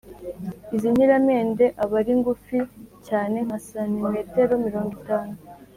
izo nkiramende aba ari ngufi cyane nka sentimetero mirongo itanu,